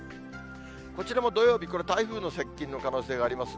こちらも土曜日、これ台風の接近の可能性があります。